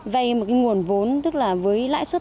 vay một cái nguồn vốn tức là với lãi suất